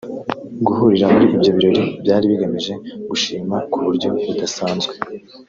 Guhurira muri ibyo birori byari bigamije gushima ku buryo budasanzwe